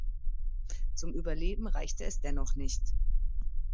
Zum Überleben reichte es dennoch nicht.